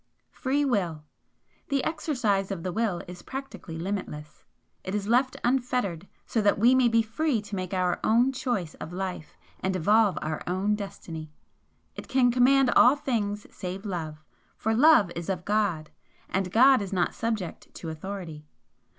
FREE WILL "The exercise of the Will is practically limitless. It is left unfettered so that we may be free to make our own choice of life and evolve our own destiny. It can command all things save Love, for Love is of God and God is not subject to authority.